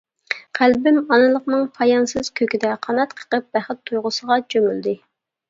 قەلبىم ئانىلىقنىڭ پايانسىز كۆكىدە قانات قېقىپ بەخت تۇيغۇسىغا چۆمۈلدى.